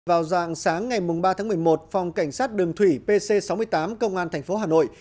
vào dạng sáng ngày ba tháng một mươi một phòng cảnh sát đường thủy pc sáu mươi tám công an thành phố hà nội